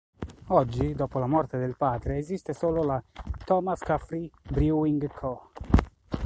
Oggi dopo la morte del padre esiste solo la "Thomas Caffrey Brewing Co.